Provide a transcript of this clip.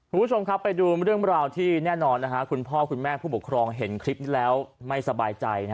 คุณผู้ชมครับไปดูเรื่องราวที่แน่นอนคุณพ่อคุณแม่ผู้ปกครองเห็นคลิปนี้แล้วไม่สบายใจ